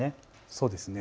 そうですね。